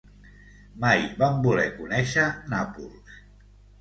Mai van voler conéixer Nàpols.